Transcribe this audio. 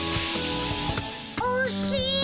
おっしい！